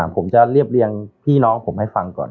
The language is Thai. ผมจะเรียบเรียงพี่น้องผมให้ฟังก่อน